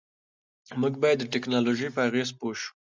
موږ باید د ټیکنالوژۍ په اغېزو پوه شو.